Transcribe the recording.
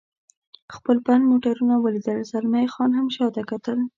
خپل بند موټرونه ولیدل، زلمی خان هم شاته کتل.